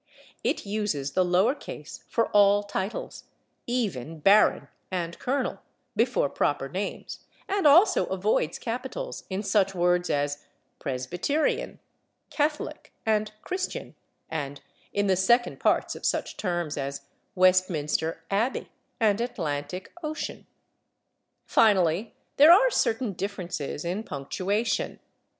It uses the lower case for all titles, even /baron/ and /colonel/ before proper names, and also avoids capitals in such [Pg267] words as /presbyterian/, /catholic/ and /christian/, and in the second parts of such terms as Westminster /abbey/ and Atlantic /ocean/. Finally, there are certain differences in punctuation.